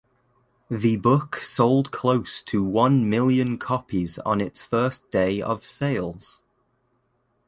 The book sold close to one million copies on its first day of sales.